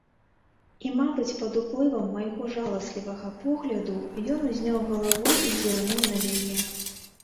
І, мабыць, пад уплывам майго жаласлівага погляду ён узняў галаву і зірнуў на мяне.